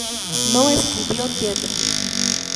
No escribió teatro.